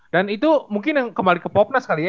dan itu mungkin yang kembali ke popnas kali ya